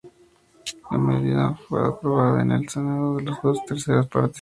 La medida fue aprobada en el Senado con dos terceras partes.